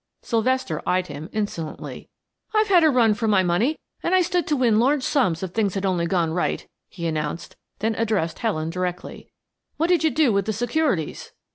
Sylvester eyed him insolently. "I've had a run for my money, and I stood to win large sums if things had only gone right," he announced; then addressed Helen directly. "What did you do with the securities?"